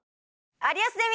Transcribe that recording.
『有吉ゼミ』。